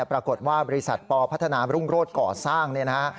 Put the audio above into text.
ปรากฏว่าบริษัทปพัฒนารุ่งโรศก่อสร้าง